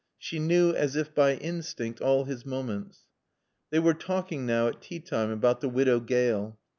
She knew, as if by instinct, all his moments. They were talking now, at tea time, about the Widow Gale.